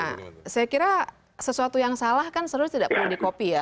nah saya kira sesuatu yang salah kan selalu tidak perlu di copy ya